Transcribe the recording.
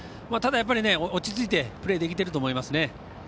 ただ、落ち着いてプレーできていると思いますね。